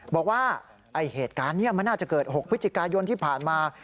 บอกว่าเหตุการณ์นี้มันน่าจะเกิด๖พฤศจิกายนที่ผ่านมา